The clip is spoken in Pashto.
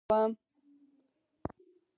افغان ته خو يې جوړه کړې وه.